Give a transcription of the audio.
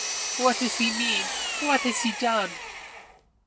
"What does he mean? What has he done?"